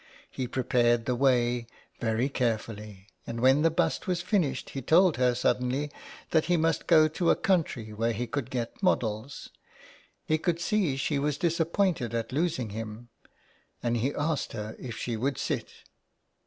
He prepared the way very care fully, and when the bust was finished he told her suddenly that he must go to a country where he could get models. He could see she was disappointed at losing him, and he asked her if she would sit.